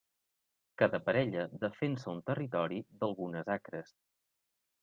Cada parella defensa un territori d'algunes acres.